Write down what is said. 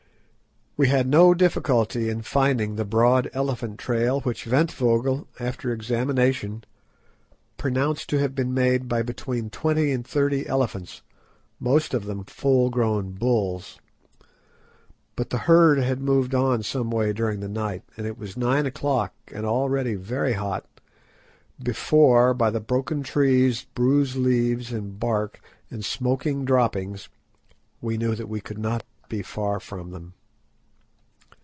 We had no difficulty in finding the broad elephant trail, which Ventvögel, after examination, pronounced to have been made by between twenty and thirty elephants, most of them full grown bulls. But the herd had moved on some way during the night, and it was nine o'clock, and already very hot, before, by the broken trees, bruised leaves and bark, and smoking droppings, we knew that we could not be far from them.